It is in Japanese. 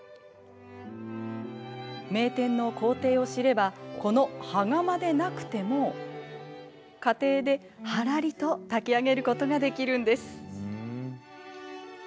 名店の工程を知ればこの羽釜でなくても家庭で、はらりと炊き上げることができるんです。